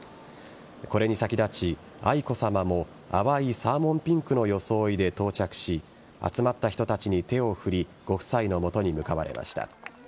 これに先立ち、愛子さまも淡いサーモンピンクの装いで到着し集まった人たちに手を振りご夫妻のもとに向かわれました。